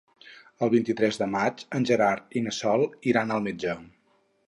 El vint-i-tres de maig en Gerard i na Sol iran al metge.